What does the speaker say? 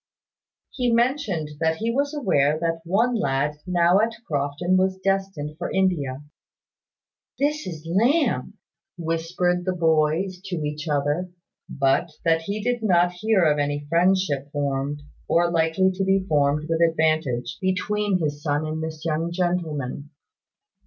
He mentioned that he was aware that one lad now at Crofton was destined for India "That is Lamb," whispered the boys to each other. But that he did not hear of any friendship formed, or likely to be formed with advantage between his son and this young gentleman.